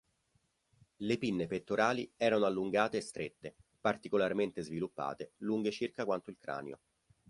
Le pinne pettorali erano allungate e strette, particolarmente sviluppate, lunghe circa quanto il cranio.